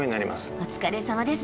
お疲れさまです。